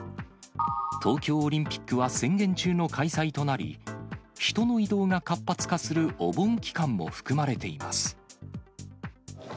東京オリンピックは宣言中の開催となり、人の移動が活発化するお盆期間も含まれています。